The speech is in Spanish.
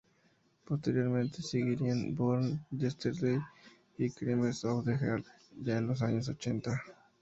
Posteriormente seguirían "Born Yesterday" y "Crimes of the Heart" ya en los años ochenta.